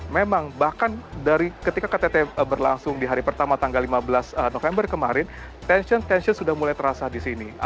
memang bahkan dari ketika ktt berlangsung di hari pertama tanggal lima belas november kemarin tension tension sudah mulai terasa di sini